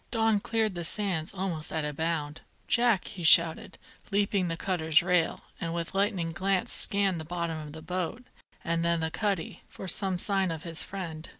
Don cleared the sands almost at a bound. "Jack!" he shouted, leaping the cutter's rail, and with lightning glance scanning the bottom of the boat, and then the cuddy, for some sign of his friend.